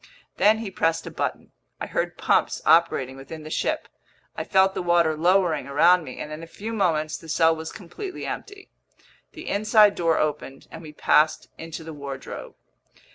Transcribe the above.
Then he pressed a button. I heard pumps operating within the ship, I felt the water lowering around me, and in a few moments the cell was completely empty. The inside door opened, and we passed into the wardrobe.